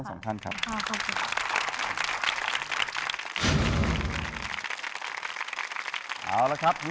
โอเค